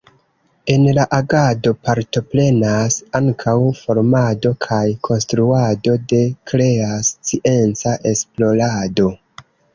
En la agado partoprenas ankaŭ formado kaj konstruado de krea scienca esplorado.